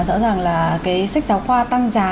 rõ ràng là sách giáo khoa tăng giá